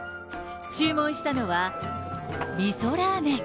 注文したのは、みそラーメン。